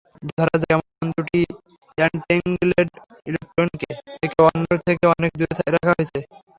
ধরা যাক, এমন দুটি অ্যান্টেঙ্গেলড ইলেকট্রনকে একে অন্যের থেকে অনেক দূরে রাখা হয়েছে।